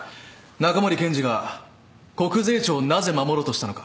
中森検事が国税庁をなぜ守ろうとしたのか。